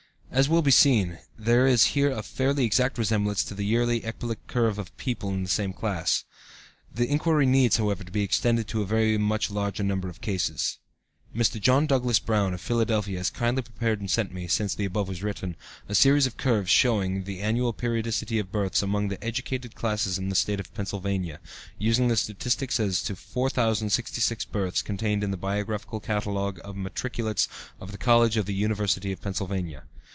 As will be seen, there is here a fairly exact resemblance to the yearly ecbolic curve of people of the same class. The inquiry needs, however, to be extended to a very much larger number of cases. Mr. John Douglass Brown, of Philadelphia, has kindly prepared and sent me, since the above was written, a series of curves showing the, annual periodicity of births among the educated classes in the State of Pennsylvania, using the statistics as to 4,066 births contained in the Biographical Catalogue of Matriculates of the College of the University of Pennsylvania.